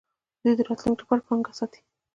دوی د راتلونکي لپاره پانګه ساتي.